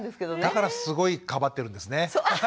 だからすごいかばってるんですね。